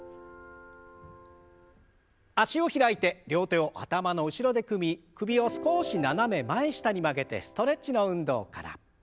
脚を開いて両手を頭の後ろで組み首を少し斜め前下に曲げてストレッチの運動から。